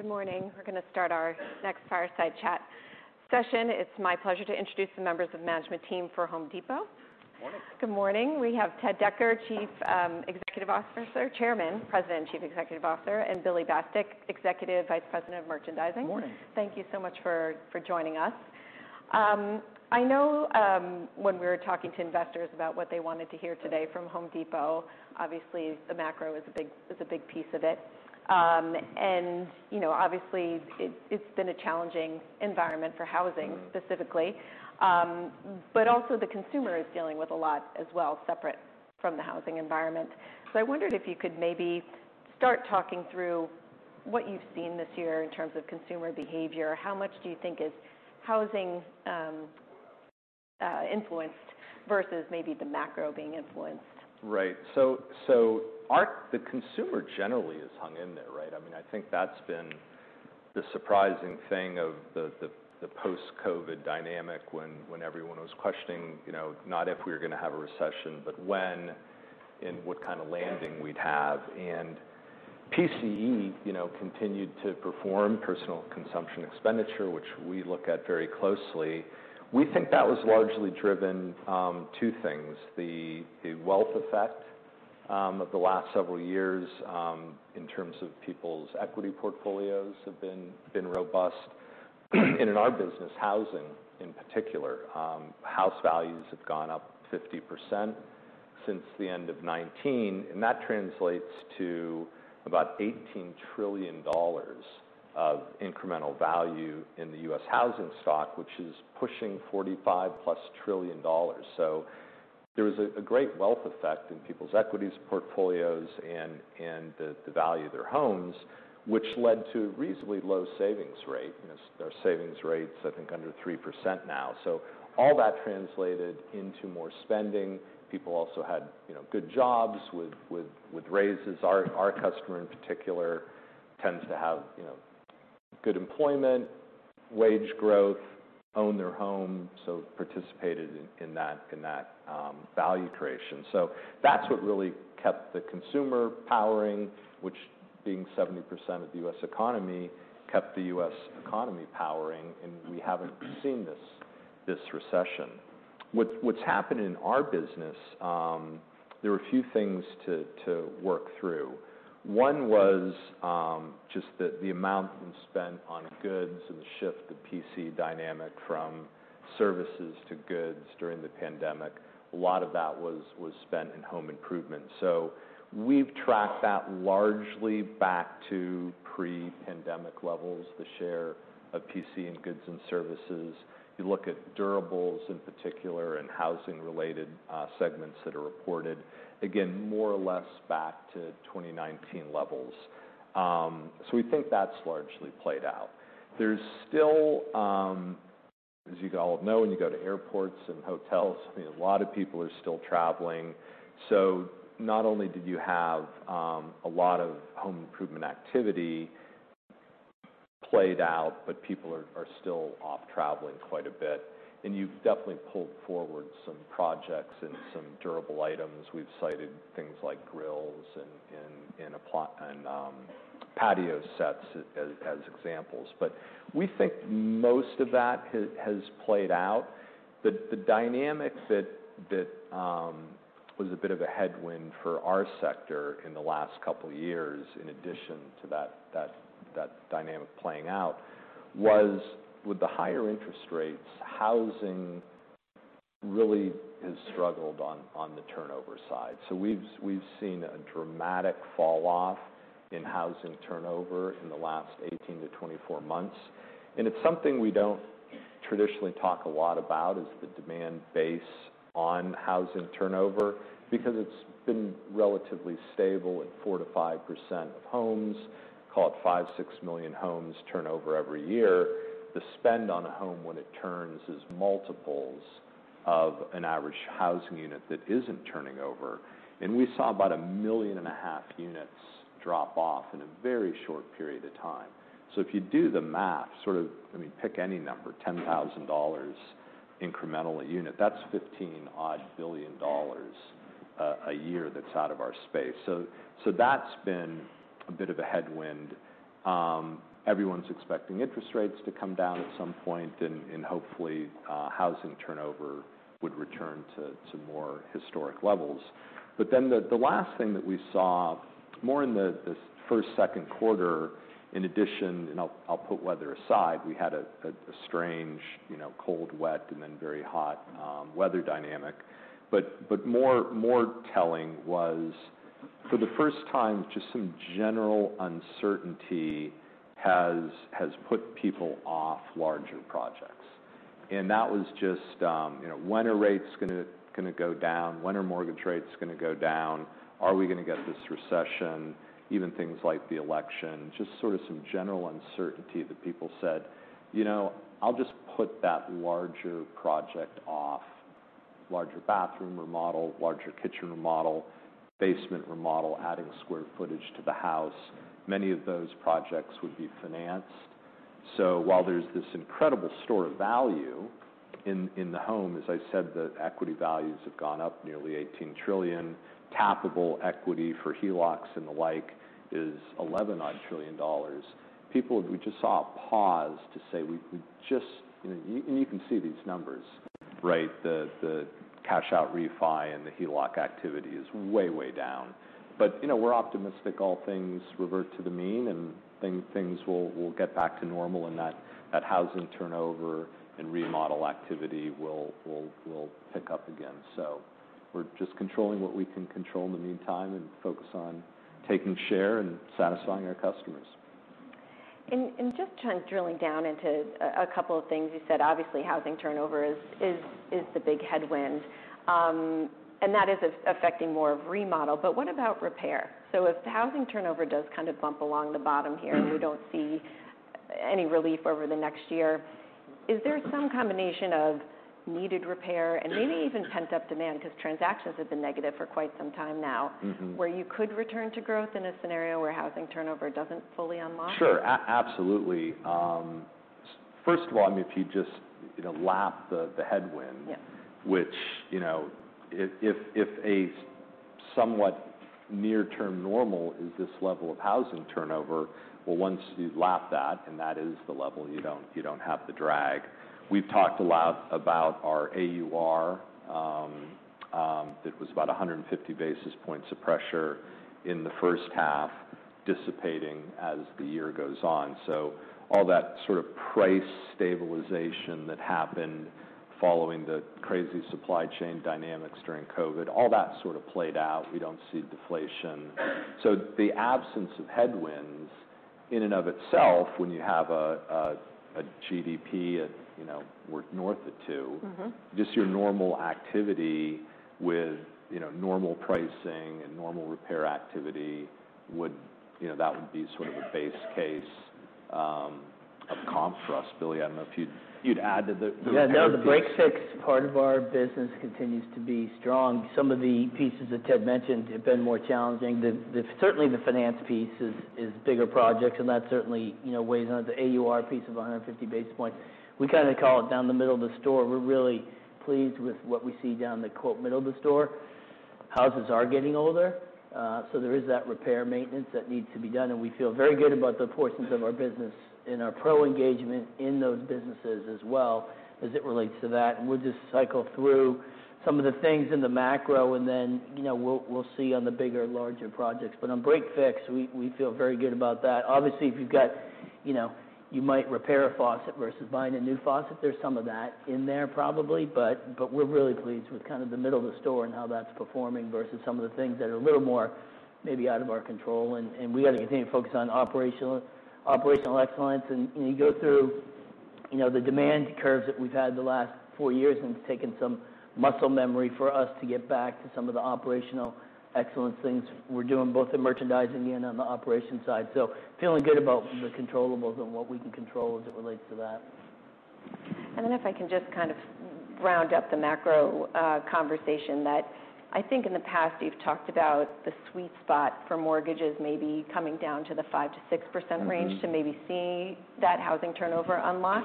Good morning. We're gonna start our next fireside chat session. It's my pleasure to introduce the members of management team for Home Depot. Morning. Good morning. We have Ted Decker, Chairman, President, and Chief Executive Officer, and Billy Bastek, Executive Vice President of Merchandising. Morning. Thank you so much for joining us. I know when we were talking to investors about what they wanted to hear today from Home Depot, obviously the macro is a big piece of it. You know, obviously it's been a challenging environment for housing- Mm-hmm Specifically. But also the consumer is dealing with a lot as well, separate from the housing environment. So I wondered if you could maybe start talking through what you've seen this year in terms of consumer behavior. How much do you think is housing influenced versus maybe the macro being influenced? Right. So, the consumer generally has hung in there, right? I mean, I think that's been the surprising thing of the post-COVID dynamic, when everyone was questioning, you know, not if we were gonna have a recession, but when, and what kind of landing we'd have. And PCE, you know, continued to perform, personal consumption expenditure, which we look at very closely. We think that was largely driven two things, the wealth effect of the last several years in terms of people's equity portfolios have been robust. And in our business, housing in particular, house values have gone up 50% since the end of 2019, and that translates to about $18 trillion of incremental value in the U.S. housing stock, which is pushing +$45 trillion. So there was a great wealth effect in people's equities portfolios and the value of their homes, which led to reasonably low savings rate. You know, their savings rate's, I think, under 3% now. So all that translated into more spending. People also had, you know, good jobs with raises. Our customer in particular tends to have, you know, good employment, wage growth, own their home, so participated in that value creation. So that's what really kept the consumer powering, which, being 70% of the U.S. economy, kept the U.S. economy powering, and we haven't seen this recession. What's happened in our business, there were a few things to work through. One was just the amount being spent on goods and the shift, the PCE dynamic from services to goods during the pandemic. A lot of that was spent in home improvement. So we've tracked that largely back to pre-pandemic levels, the share of PCE in goods and services. You look at durables in particular and housing-related segments that are reported, again, more or less back to 2019 levels. So we think that's largely played out. There's still, as you all know, when you go to airports and hotels, you know, a lot of people are still traveling. So not only did you have a lot of home improvement activity played out, but people are still off traveling quite a bit, and you've definitely pulled forward some projects and some durable items. We've cited things like grills and patio sets as examples, but we think most of that has played out. The dynamics that was a bit of a headwind for our sector in the last couple of years, in addition to that dynamic playing out, was with the higher interest rates. Housing really has struggled on the turnover side. So we've seen a dramatic fall off in housing turnover in the last 18-24 months, and it's something we don't traditionally talk a lot about is the demand base on housing turnover, because it's been relatively stable at 4%-5% of homes. Call it 5-6 million homes turnover every year. The spend on a home when it turns is multiples of an average housing unit that isn't turning over, and we saw about 1.5 million units drop off in a very short period of time. So if you do the math, sort of... I mean, pick any number, $10,000 incremental a unit, that's $15 odd billion a year that's out of our space. So that's been a bit of a headwind. Everyone's expecting interest rates to come down at some point, and hopefully housing turnover would return to more historic levels. But then the last thing that we saw, more in the first, second quarter, in addition, and I'll put weather aside, we had a strange, you know, cold, wet, and then very hot weather dynamic. But more telling was, for the first time, just some general uncertainty has put people off larger projects. And that was just, you know, when are rates gonna go down? When are mortgage rates gonna go down? Are we gonna get this recession? Even things like the election, just sort of some general uncertainty that people said, "You know, I'll just put that larger project off." Larger bathroom remodel, larger kitchen remodel, basement remodel, adding square footage to the house. Many of those projects would be financed... So while there's this incredible store of value in the home, as I said, the equity values have gone up nearly $18 trillion. Tappable equity for HELOCs and the like is $11 odd trillion. People, we just saw a pause to say we just. You can see these numbers, right? The cash-out refi and the HELOC activity is way down. But, you know, we're optimistic all things revert to the mean, and things will get back to normal, and that housing turnover and remodel activity will pick up again. So we're just controlling what we can control in the meantime, and focus on taking share and satisfying our customers. And just kind of drilling down into a couple of things you said, obviously, housing turnover is the big headwind, and that is affecting more of remodel, but what about repair? So if housing turnover does kind of bump along the bottom here, and we don't see any relief over the next year, is there some combination of needed repair and maybe even pent-up demand, because transactions have been negative for quite some time now- Mm-hmm... where you could return to growth in a scenario where housing turnover doesn't fully unlock? Sure. Absolutely. First of all, I mean, if you just, you know, lap the headwind- Yeah... which, you know, if a somewhat near-term normal is this level of housing turnover, well, once you lap that, and that is the level, you don't, you don't have the drag. We've talked a lot about our AUR. It was about a hundred and fifty basis points of pressure in the first half, dissipating as the year goes on. So all that sort of price stabilization that happened following the crazy supply chain dynamics during COVID, all that sort of played out. We don't see deflation. So the absence of headwinds, in and of itself, when you have a GDP, and, you know, we're north of two- Mm-hmm... just your normal activity with, you know, normal pricing and normal repair activity would. You know, that would be sort of a base case of comp for us. Billy, I don't know if you'd add to the- Yeah, no, the break-fix part of our business continues to be strong. Some of the pieces that Ted mentioned have been more challenging. The-- Certainly, the finance piece is bigger projects, and that certainly, you know, weighs on the AUR piece of 150 basis points. We kind of call it down the middle of the store. We're really pleased with what we see down the quote, "middle of the store." Houses are getting older, so there is that repair maintenance that needs to be done, and we feel very good about the portions of our business and our pro engagement in those businesses as well, as it relates to that. We'll just cycle through some of the things in the macro, and then, you know, we'll see on the bigger, larger projects. But on break-fix, we feel very good about that. Obviously, if you've got you know, you might repair a faucet versus buying a new faucet. There's some of that in there, probably, but we're really pleased with kind of the middle of the store and how that's performing versus some of the things that are a little more maybe out of our control. We've got to continue to focus on operational excellence. You go through, you know, the demand curves that we've had the last four years, and it's taken some muscle memory for us to get back to some of the operational excellence things we're doing, both in merchandising and on the operations side. So feeling good about the controllables and what we can control as it relates to that. And then if I can just kind of round up the macro, conversation that I think in the past, you've talked about the sweet spot for mortgages maybe coming down to the 5%-6% range- Mm-hmm... to maybe see that housing turnover unlock.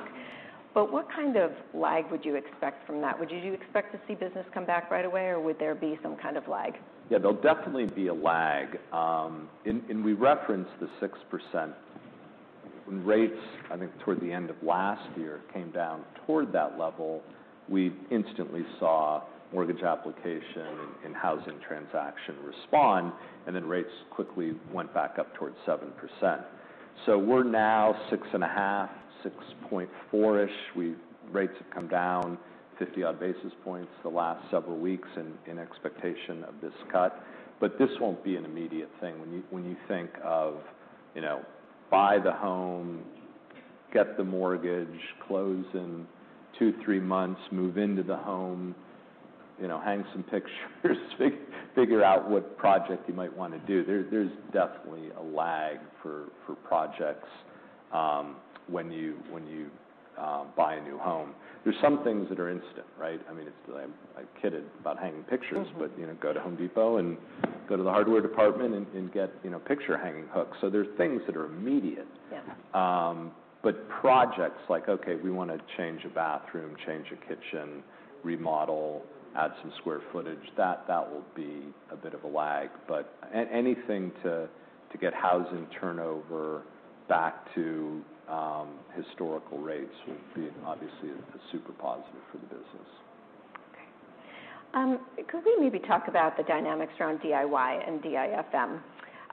But what kind of lag would you expect from that? Would you expect to see business come back right away, or would there be some kind of lag? Yeah, there'll definitely be a lag. And we referenced the 6% rates, I think, toward the end of last year, came down toward that level. We instantly saw mortgage application and housing transaction respond, and then rates quickly went back up towards 7%. So we're now six and a half, six point four-ish. Rates have come down 50-odd basis points the last several weeks in expectation of this cut. But this won't be an immediate thing. When you think of, you know, buy the home, get the mortgage, close in two-three months, move into the home, you know, hang some pictures, figure out what project you might want to do, there's definitely a lag for projects, when you buy a new home. There's some things that are instant, right? I mean, it's. I kidded about hanging pictures. Mm-hmm... but, you know, go to Home Depot and go to the hardware department and get, you know, picture-hanging hooks. So there's things that are immediate. Yeah. But projects like, "Okay, we want to change a bathroom, change a kitchen, remodel, add some square footage," that will be a bit of a lag. But anything to get housing turnover back to historical rates would be, obviously, a super positive for the business. Okay. Could we maybe talk about the dynamics around DIY and DIFM?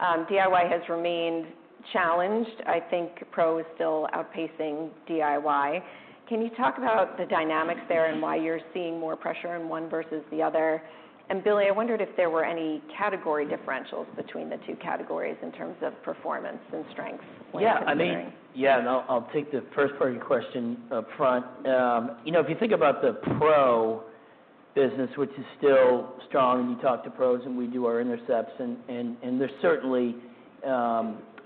DIY has remained challenged. I think pro is still outpacing DIY. Can you talk about the dynamics there and why you're seeing more pressure in one versus the other? And Billy, I wondered if there were any category differentials between the two categories in terms of performance and strengths when- Yeah, I mean- Yeah. Yeah, and I'll take the first part of your question upfront. You know, if you think about the pro business, which is still strong, and you talk to pros, and we do our intercepts.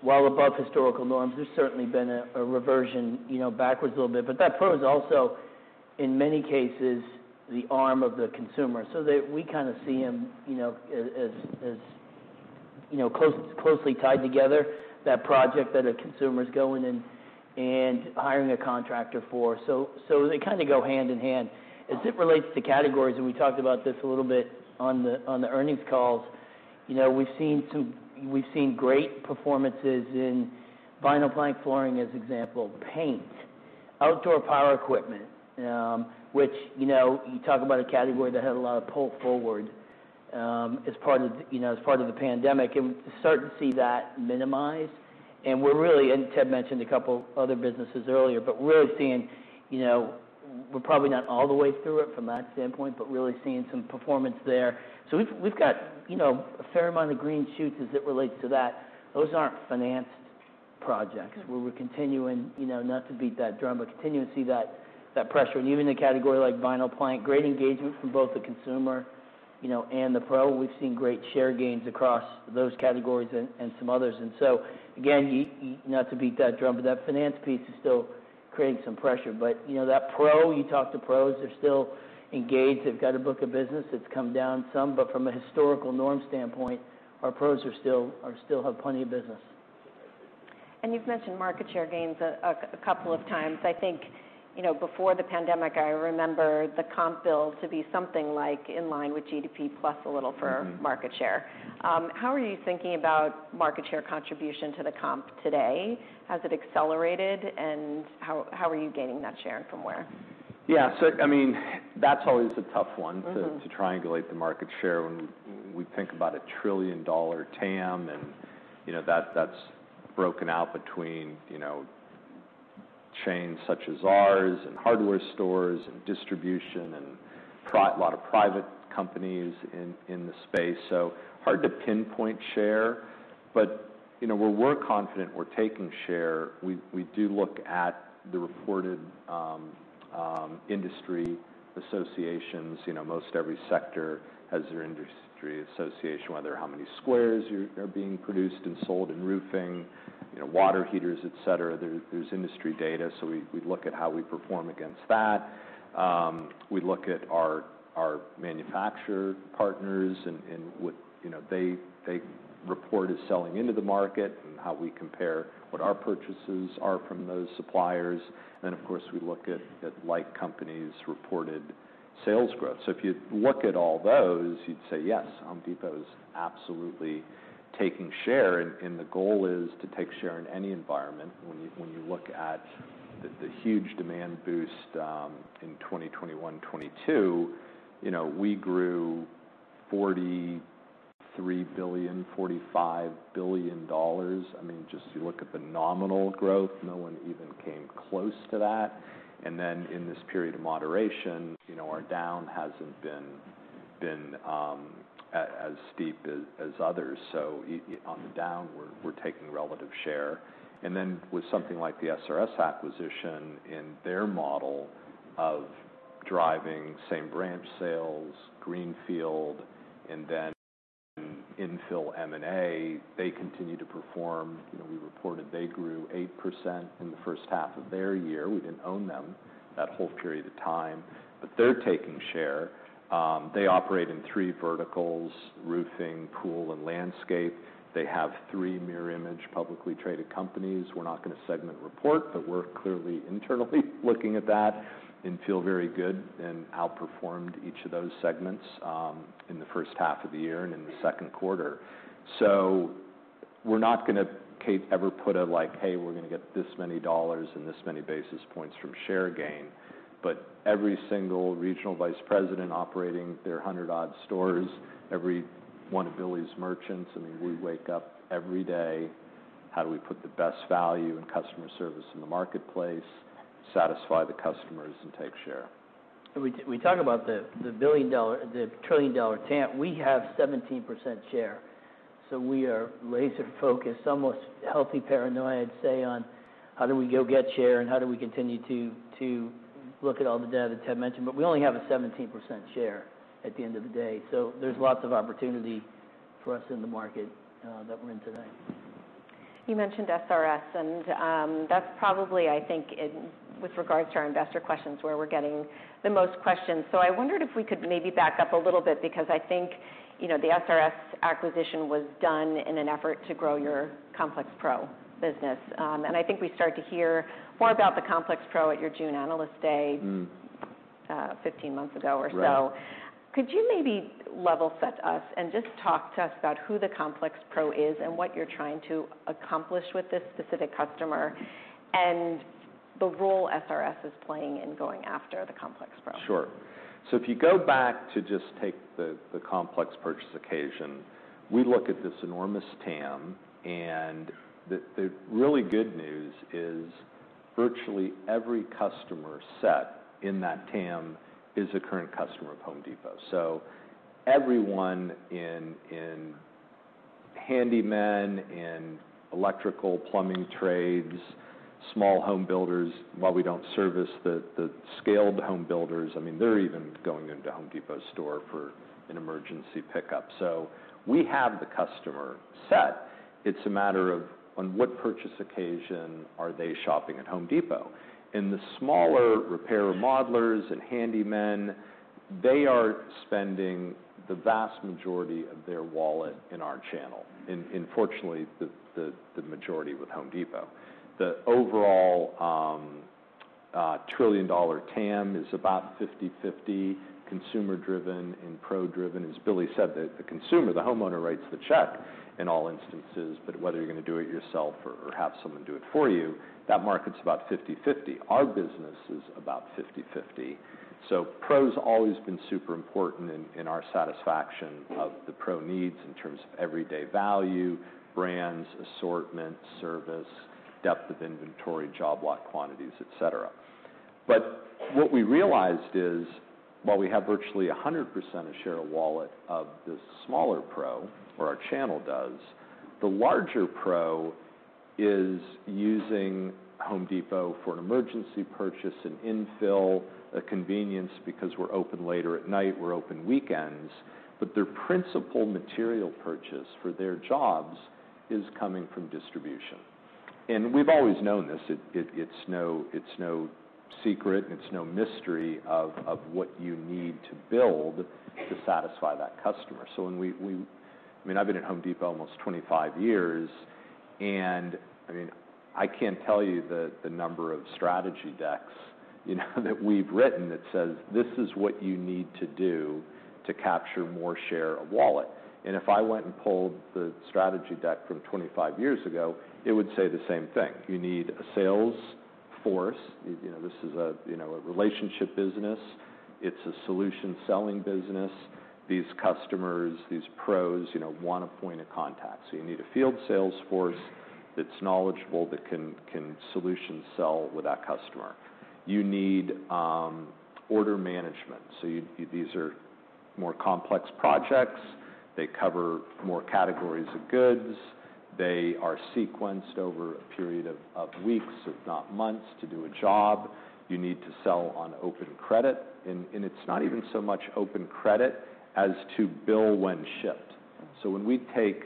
While above historical norms, there's certainly been a reversion, you know, backwards a little bit. But that pro is also, in many cases, the arm of the consumer. So we kind of see them, you know, as.... you know, closely tied together, that project that a consumer's going in and hiring a contractor for. So they kind of go hand in hand. As it relates to categories, and we talked about this a little bit on the earnings calls, you know, we've seen great performances in vinyl plank flooring, as example, paint, outdoor power equipment, which, you know, you talk about a category that had a lot of pull forward, as part of the, you know, as part of the pandemic, and we're starting to see that minimize. And we're really, and Ted mentioned a couple other businesses earlier, but we're really seeing, you know, we're probably not all the way through it from that standpoint, but really seeing some performance there. So we've got, you know, a fair amount of green shoots as it relates to that. Those aren't financed projects, where we're continuing, you know, not to beat that drum, but continue to see that pressure. And even in a category like vinyl plank, great engagement from both the consumer, you know, and the pro. We've seen great share gains across those categories and some others. And so again, not to beat that drum, but that finance piece is still creating some pressure. But, you know, that pro, you talk to pros, they're still engaged. They've got a book of business that's come down some, but from a historical norm standpoint, our pros are still have plenty of business. You've mentioned market share gains a couple of times. I think, you know, before the pandemic, I remember the comp build to be something, like, in line with GDP, plus a little for- Mm-hmm... market share. How are you thinking about market share contribution to the comp today? Has it accelerated, and how are you gaining that share, and from where? Yeah, so I mean, that's always a tough one- Mm-hmm... to triangulate the market share when we think about a trillion-dollar TAM, and, you know, that's broken out between, you know, chains such as ours and hardware stores and distribution and a lot of private companies in the space, so hard to pinpoint share. But, you know, where we're confident we're taking share, we do look at the reported industry associations. You know, most every sector has their industry association, whether how many squares are being produced and sold in roofing, you know, water heaters, et cetera. There's industry data, so we look at how we perform against that. We look at our manufacturer partners and what, you know, they report is selling into the market and how we compare what our purchases are from those suppliers. Then, of course, we look at like companies' reported sales growth. So if you look at all those, you'd say, "Yes, Home Depot is absolutely taking share," and the goal is to take share in any environment. When you look at the huge demand boost in 2021, 2022, you know, we grew $43 billion, $45 billion. I mean, just you look at the nominal growth, no one even came close to that. And then, in this period of moderation, you know, our down hasn't been as steep as others. So on the down, we're taking relative share. And then with something like the SRS acquisition, in their model of driving same branch sales, Greenfield, and then Infill M&A, they continue to perform. You know, we reported they grew 8% in the first half of their year. We didn't own them that whole period of time, but they're taking share. They operate in three verticals: roofing, pool, and landscape. They have three mirror-image publicly traded companies. We're not going to segment report, but we're clearly internally looking at that and feel very good and outperformed each of those segments in the first half of the year and in the second quarter. So we're not gonna, Kate, ever put a, like, "Hey, we're gonna get this many dollars and this many basis points from share gain," but every single regional vice president operating their hundred-odd stores, every one of Billy's merchants, I mean, we wake up every day: How do we put the best value and customer service in the marketplace, satisfy the customers, and take share? We talk about the trillion-dollar TAM. We have 17% share, so we are laser-focused, almost healthy paranoia, I'd say, on how do we go get share, and how do we continue to look at all the data Ted mentioned, but we only have a 17% share at the end of the day. So there's lots of opportunity for us in the market that we're in today. You mentioned SRS, and that's probably, I think, with regards to our investor questions, where we're getting the most questions. So I wondered if we could maybe back up a little bit because I think, you know, the SRS acquisition was done in an effort to grow your complex pro business. And I think we started to hear more about the complex pro at your June Analyst Day. Mm... 15 months ago or so. Right. Could you maybe level set us and just talk to us about who the complex pro is and what you're trying to accomplish with this specific customer, and the role SRS is playing in going after the complex pro? Sure. So if you go back to just take the complex purchase occasion, we look at this enormous TAM, and the really good news is virtually every customer set in that TAM is a current customer of Home Depot. So everyone in Handyman, in electrical, plumbing trades, small home builders, while we don't service the scaled home builders, I mean, they're even going into Home Depot store for an emergency pickup. So we have the customer set. It's a matter of on what purchase occasion are they shopping at Home Depot? And the smaller repair modelers and Handyman, they are spending the vast majority of their wallet in our channel, and fortunately, the majority with Home Depot. The overall trillion-dollar TAM is about 50/50, consumer-driven and pro-driven. As Billy said, the consumer, the homeowner, writes the check in all instances, but whether you're gonna do it yourself or have someone do it for you, that market's about 50/50. Our business is about 50/50. So pros always been super important in our satisfaction of the pro needs in terms of everyday value, brands, assortment, service, depth of inventory, job lot quantities, et cetera. But what we realized is, while we have virtually 100% of share of wallet of the smaller pro, or our channel does, the larger pro is using Home Depot for an emergency purchase, an infill, a convenience, because we're open later at night, we're open weekends, but their principal material purchase for their jobs is coming from distribution. And we've always known this. It's no secret, and it's no mystery of what you need to build to satisfy that customer. So, I mean, I've been at Home Depot almost 25 years, and, I mean, I can't tell you the number of strategy decks, you know, that we've written that says, "This is what you need to do to capture more share of wallet." And if I went and pulled the strategy deck from 25 years ago, it would say the same thing. You need a sales force. You know, this is a relationship business. It's a solution-selling business. These customers, these pros, you know, want a point of contact. So you need a field sales force that's knowledgeable, that can solution sell with that customer. You need order management, so these are more complex projects. They cover more categories of goods. They are sequenced over a period of weeks, if not months, to do a job. You need to sell on open credit, and it's not even so much open credit as to bill when shipped. So when we take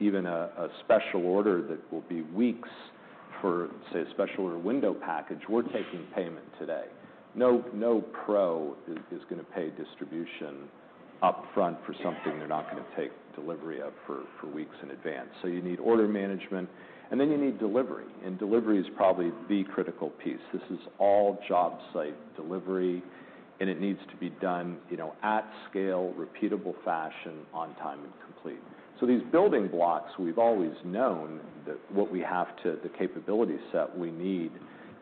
even a special order that will be weeks for, say, a special order window package, we're taking payment today. No pro is gonna pay distribution upfront for something they're not gonna take delivery of for weeks in advance. So you need order management, and then you need delivery, and delivery is probably the critical piece. This is all job site delivery, and it needs to be done, you know, at scale, repeatable fashion, on time, and complete. So these building blocks, we've always known that what we have to, the capability set we need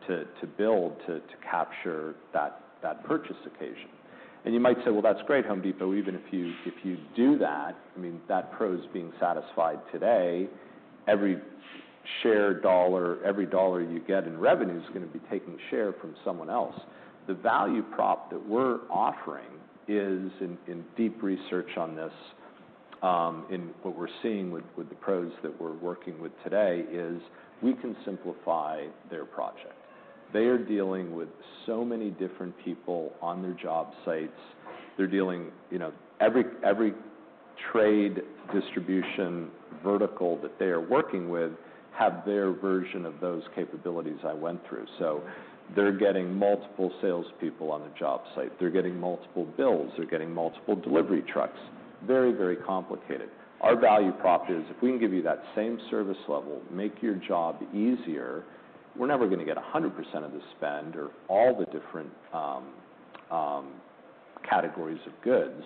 to build to capture that purchase occasion. And you might say, "Well, that's great, Home Depot, even if you do that, I mean, that pro's being satisfied today, every share dollar, every dollar you get in revenue is gonna be taking share from someone else." The value prop that we're offering is, in deep research on this, in what we're seeing with the pros that we're working with today, is we can simplify their project. They are dealing with so many different people on their job sites. They're dealing, you know, every trade distribution vertical that they are working with have their version of those capabilities I went through. So they're getting multiple salespeople on a job site. They're getting multiple bills. They're getting multiple delivery trucks. Very, very complicated. Our value prop is, if we can give you that same service level, make your job easier, we're never gonna get 100% of the spend or all the different, categories of goods.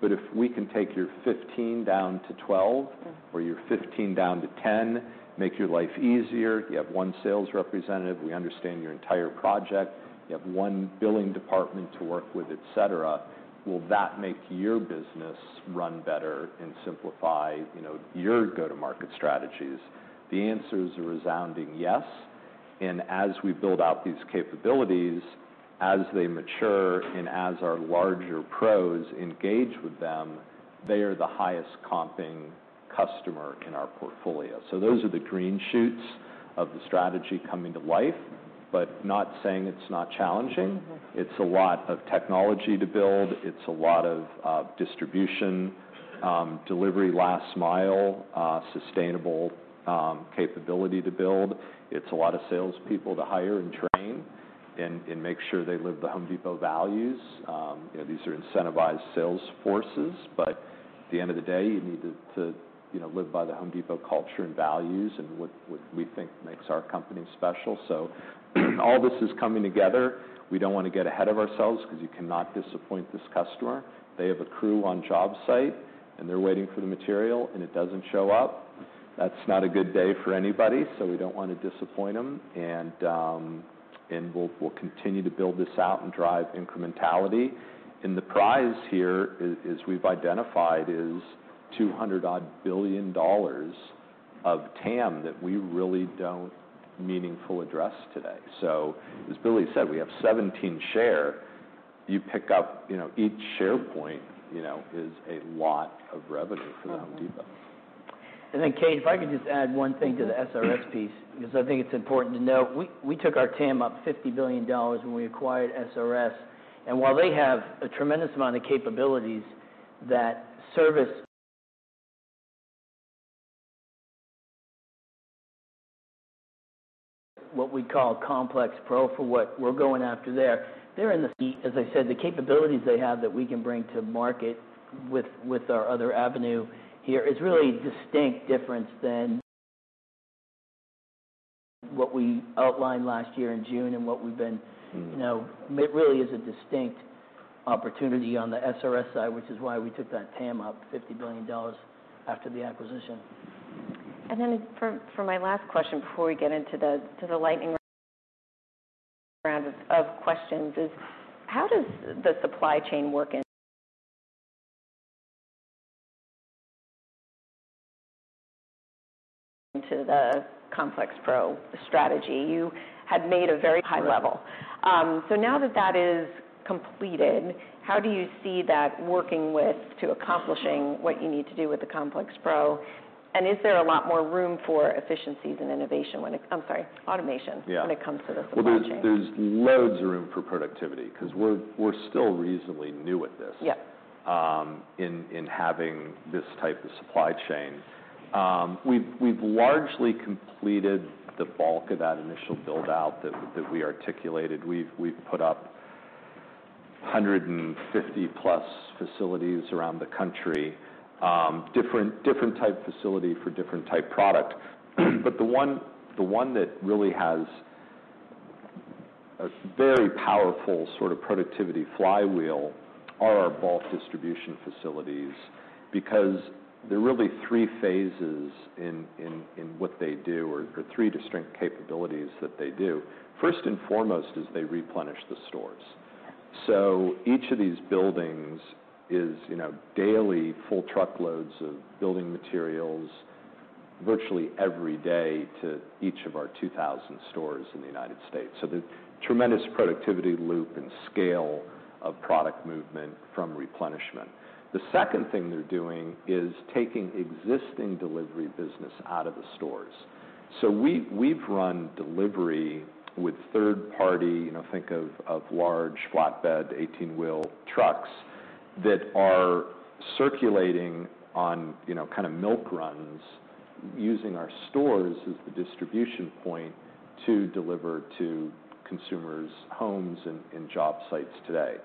But if we can take your 15 down to 12- Mm. or your 15 down to 10, make your life easier. You have one sales representative, we understand your entire project. You have one billing department to work with, et cetera. Will that make your business run better and simplify, you know, your go-to-market strategies? The answer is a resounding yes, and as we build out these capabilities, as they mature, and as our larger pros engage with them, they are the highest comping customer in our portfolio. So those are the green shoots of the strategy coming to life, but not saying it's not challenging. Mm-hmm. It's a lot of technology to build. It's a lot of distribution, delivery, last mile, sustainable capability to build. It's a lot of salespeople to hire and train and make sure they live the Home Depot values. You know, these are incentivized sales forces, but at the end of the day, you need to, you know, live by the Home Depot culture and values and what we think makes our company special. So all this is coming together. We don't wanna get ahead of ourselves because you cannot disappoint this customer. They have a crew on job site, and they're waiting for the material, and it doesn't show up. That's not a good day for anybody. So we don't want to disappoint them, and we'll continue to build this out and drive incrementality. The prize here is, as we've identified, $200-odd billion dollars of TAM that we really don't meaningfully address today. As Billy said, we have 17 share. You pick up, you know, each share point, you know, is a lot of revenue for Home Depot. Mm-hmm. And then Kate, if I could just add one thing. Mm-hmm. To the SRS piece, because I think it's important to note, we took our TAM up $50 billion when we acquired SRS, and while they have a tremendous amount of capabilities that service what we call complex pro for what we're going after there. They're in the, as I said, the capabilities they have that we can bring to market with our other avenue here is really distinct difference than what we outlined last year in June and what we've been, you know, it really is a distinct opportunity on the SRS side, which is why we took that TAM up $50 billion after the acquisition. And then for my last question, before we get into the lightning round of questions, is: How does the supply chain work into the complex pro strategy? You had made a very high level. So now that that is completed, how do you see that working with to accomplishing what you need to do with the complex pro? And is there a lot more room for efficiencies and innovation when it-- I'm sorry, automation- Yeah. When it comes to the supply chain? There's loads of room for productivity, 'cause we're still reasonably new at this- Yeah... in having this type of supply chain. We've largely completed the bulk of that initial build-out that we articulated. We've put up +150 facilities around the country. Different type facility for different type product. But the one that really has a very powerful sort of productivity flywheel are our bulk distribution facilities. Because there are really three phases in what they do or three distinct capabilities that they do. First and foremost is they replenish the stores. Yeah. So each of these buildings is, you know, daily full truckloads of building materials, virtually every day to each of our two thousand stores in the United States. So there's tremendous productivity loop and scale of product movement from replenishment. The second thing they're doing is taking existing delivery business out of the stores. So we've run delivery with third party, you know, think of large flatbed, eighteen-wheel trucks that are circulating on, you know, kind of milk runs, using our stores as the distribution point to deliver to consumers' homes and job sites today.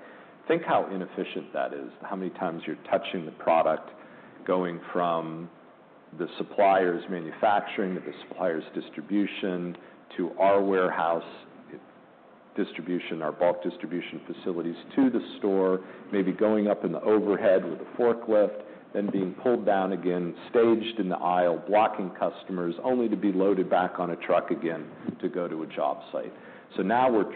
Think how inefficient that is, how many times you're touching the product, going from the suppliers manufacturing, to the suppliers distribution, to our warehouse distribution, our bulk distribution facilities to the store, maybe going up in the overhead with a forklift, then being pulled down again, staged in the aisle, blocking customers, only to be loaded back on a truck again to go to a job site. Now we're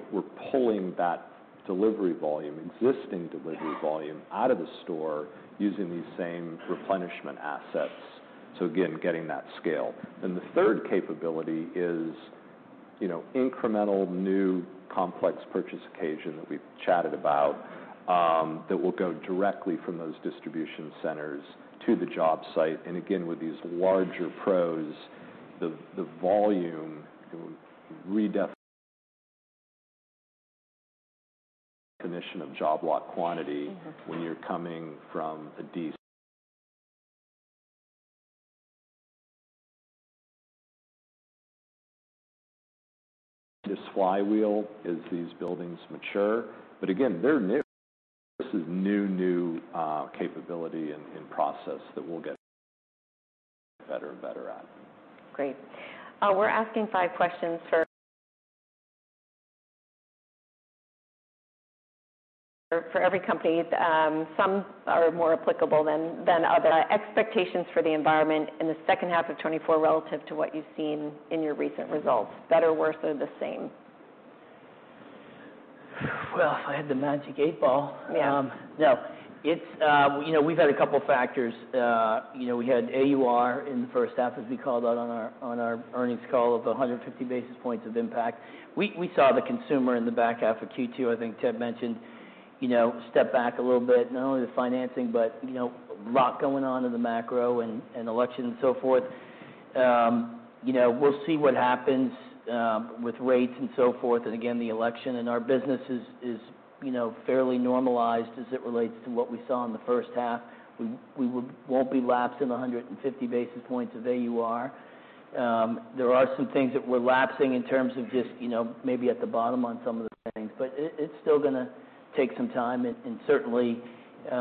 pulling that delivery volume, existing delivery volume, out of the store using these same replenishment assets, so again, getting that scale. Then the third capability is, you know, incremental new complex purchase occasion that we've chatted about, that will go directly from those distribution centers to the job site. And again, with these larger pros, the volume redefinition of job lot quantity. Okay... when you're coming from a DC. This flywheel, as these buildings mature, but again, they're new. This is new, new, capability and process that we'll get better and better at. Great. We're asking five questions for every company. Some are more applicable than others. Expectations for the environment in the second half of 2024, relative to what you've seen in your recent results, better, worse, or the same? If I had the magic eight ball. Yeah. No, it's, you know, we've had a couple factors. You know, we had AUR in the first half, as we called out on our earnings call, of 150 basis points of impact. We saw the consumer in the back half of Q2. I think Ted mentioned, you know, step back a little bit, not only the financing, but, you know, a lot going on in the macro and election and so forth. You know, we'll see what happens with rates and so forth, and again, the election. Our business is, you know, fairly normalized as it relates to what we saw in the first half. We won't be lapsing 150 basis points of AUR. There are some things that we're lapping in terms of just, you know, maybe at the bottom on some of the things, but it's still gonna take some time, and certainly, you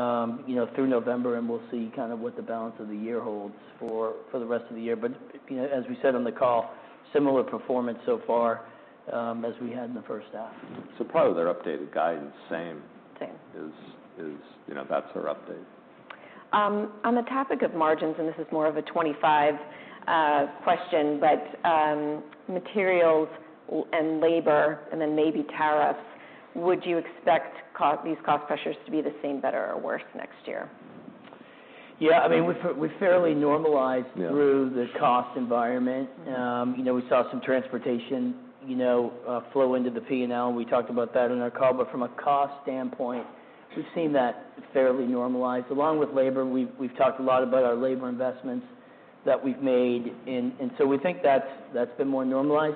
know, through November, and we'll see kind of what the balance of the year holds for the rest of the year. But, you know, as we said on the call, similar performance so far, as we had in the first half. So part of their updated guidance, same- Same... is, you know, that's our update. On the topic of margins, and this is more of a 25 question, but materials and labor and then maybe tariffs, would you expect these cost pressures to be the same, better, or worse next year? Yeah, I mean, we're fairly normalized- Yeah... through the cost environment. You know, we saw some transportation, you know, flow into the P&L. We talked about that in our call. But from a cost standpoint, we've seen that fairly normalized. Along with labor, we've talked a lot about our labor investments that we've made in... And so we think that's been more normalized.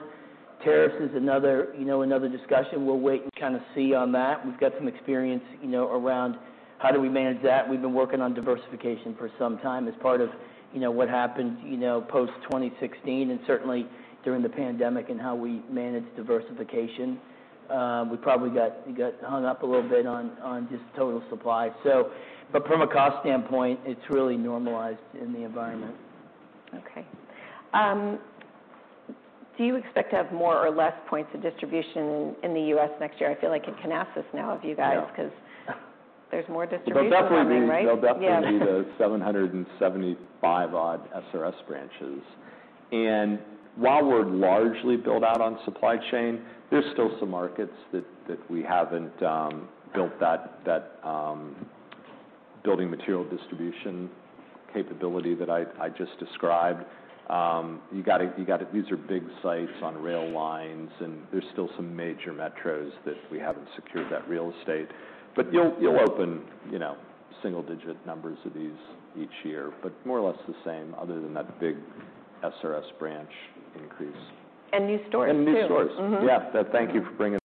Tariffs is another, you know, another discussion. We'll wait and kind of see on that. We've got some experience, you know, around how do we manage that? We've been working on diversification for some time as part of, you know, what happens, you know, post-twenty sixteen, and certainly during the pandemic and how we manage diversification. We probably got, we got hung up a little bit on just total supply. So but from a cost standpoint, it's really normalized in the environment. Okay. Do you expect to have more or less points of distribution in the U.S. next year? I feel like I can ask this now of you guys- Yeah 'Cause there's more distribution, right? There'll definitely be the 775 odd SRS branches. And while we're largely built out on supply chain, there's still some markets that we haven't built that building material distribution capability that I just described. You gotta these are big sites on rail lines, and there's still some major metros that we haven't secured that real estate. But you'll open, you know, single-digit numbers of these each year, but more or less the same, other than that big SRS branch increase. New stores too. New stores. Mm-hmm. Yeah, thank you for bringing...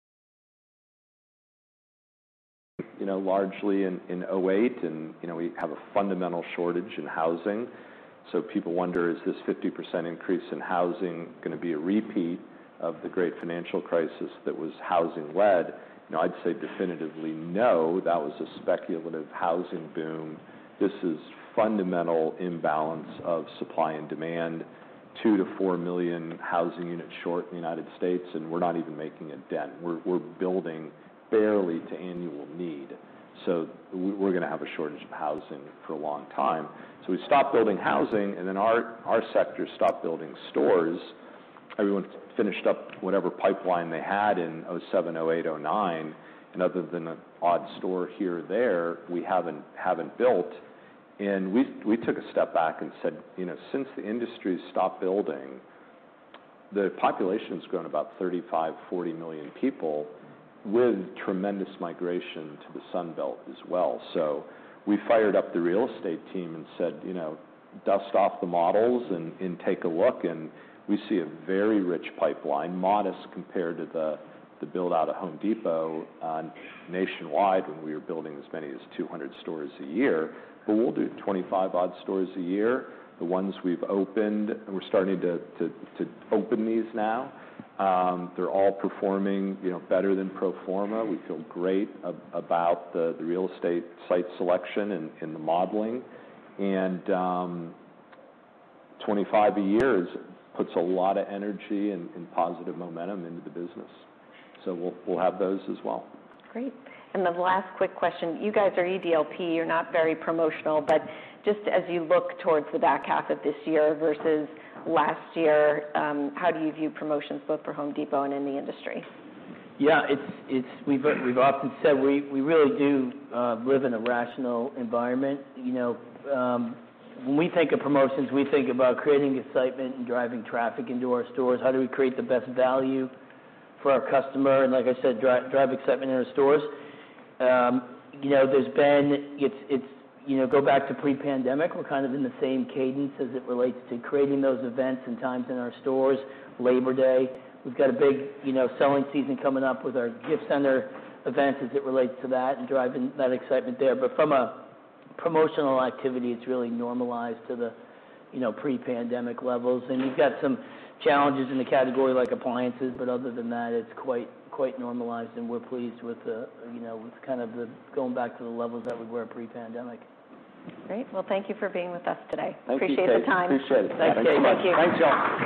You know, largely in 2008, and, you know, we have a fundamental shortage in housing. So people wonder, is this 50% increase in housing gonna be a repeat of the great financial crisis that was housing-led? You know, I'd say definitively, no. That was a speculative housing boom. This is fundamental imbalance of supply and demand, 2-4 million housing units short in the United States, and we're not even making a dent. We're building barely to annual need. So we're gonna have a shortage of housing for a long time. So we stopped building housing, and then our sector stopped building stores. Everyone finished up whatever pipeline they had in 2007, 2008, 2009, and other than an odd store here or there, we haven't built. We took a step back and said, "You know, since the industry stopped building, the population has grown about 35, 40 million people, with tremendous migration to the Sun Belt as well." So we fired up the real estate team and said, "You know, dust off the models and take a look," and we see a very rich pipeline, modest compared to the build-out of Home Depot nationwide, when we were building as many as 200 stores a year. But we'll do 25-odd stores a year. The ones we've opened, we're starting to open these now. They're all performing, you know, better than pro forma. We feel great about the real estate site selection and the modeling. And 25 a year puts a lot of energy and positive momentum into the business. So we'll have those as well. Great. And the last quick question: You guys are EDLP, you're not very promotional, but just as you look towards the back half of this year versus last year, how do you view promotions both for Home Depot and in the industry? Yeah, it's we've often said we really do live in a rational environment. You know, when we think of promotions, we think about creating excitement and driving traffic into our stores. How do we create the best value for our customer, and like I said, drive excitement in our stores? You know, go back to pre-pandemic, we're kind of in the same cadence as it relates to creating those events and times in our stores. Labor Day, we've got a big, you know, selling season coming up with our gift center events as it relates to that and driving that excitement there. But from a promotional activity, it's really normalized to the, you know, pre-pandemic levels. You've got some challenges in the category like appliances, but other than that, it's quite, quite normalized, and we're pleased with the, you know, with kind of the going back to the levels that we were pre-pandemic. Great. Well, thank you for being with us today. Thank you. Appreciate the time. Appreciate it. Thank you. Thank you.